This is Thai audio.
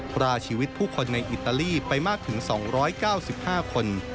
พราชีวิตผู้คนในอิตาลีไปมากถึง๒๙๕คน